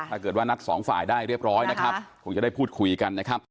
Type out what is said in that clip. ถ้าเกิดว่านัดสองฝ่ายได้เรียบร้อยนะครับคงจะได้พูดคุยกันนะครับ